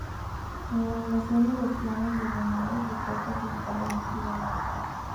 En la invasión de los clanes, los Demonios de Kell participaron activamente.